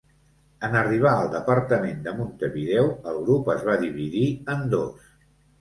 En arribar al departament de Montevideo, el grup es va dividir en dos.